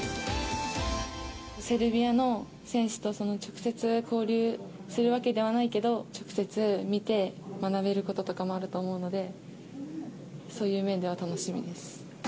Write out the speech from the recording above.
セルビアの選手と直接交流するわけではないけど、直接見て、学べることとかもあると思うので、そういう面では楽しみです。